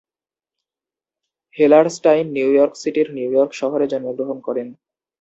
Hellerstein New York সিটির New York শহরে জন্মগ্রহণ করেন।